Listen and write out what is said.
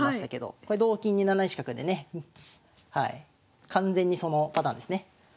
これ同金に７一角でね完全にそのパターンですね